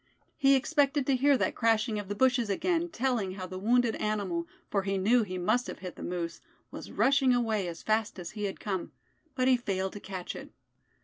He expected to hear that crashing of the bushes again, telling how the wounded animal, for he knew he must have hit the moose, was rushing away as fast as he had come. But he failed to catch it.